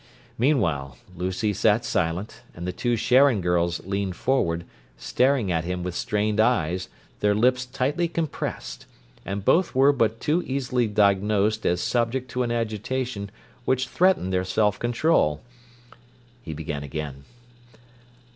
Meanwhile, Lucy sat silent, and the two Sharon girls leaned forward, staring at him with strained eyes, their lips tightly compressed; and both were but too easily diagnosed as subject to an agitation which threatened their self control. He began again.